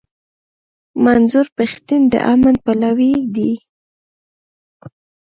منظور پښتين د امن پلوی دی.